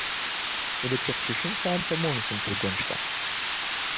Ula d tiqcicin sɛan-t amur-nsent deg wannect-a.